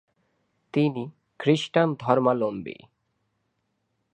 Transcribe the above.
তিনি খ্রিস্টান ধর্মাবলম্বী।